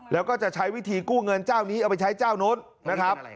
แล้วก็จะใช้วิธีกู้เงินเจ้านี้เอาไปใช้เจ้านู้นนะครับ